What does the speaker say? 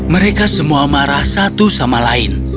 mereka semua marah satu sama lain